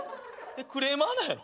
クレーマーなんやろ？